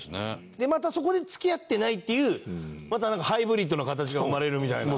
またそこで付き合ってないっていうまたなんかハイブリッドな形が生まれるみたいな。